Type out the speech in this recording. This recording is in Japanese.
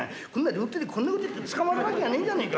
両手でこんなことやって捕まるわけがねえじゃねえか。